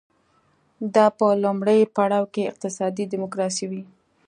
دا به په لومړي پړاو کې اقتصادي ډیموکراسي وي.